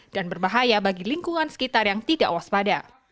dan berbahaya bagi lingkungan sekitar yang tidak waspada